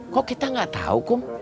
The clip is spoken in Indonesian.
kok kita gak tahu kum